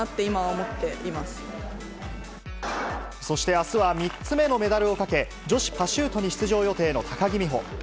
そして明日は３つ目のメダルをかけ女子パシュートに出場予定の高木美帆。